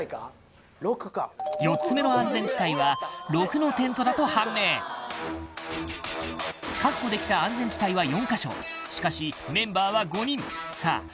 ４つ目の安全地帯は「６」のテントだと判明確保できた安全地帯は４か所しかしメンバーは５人さあ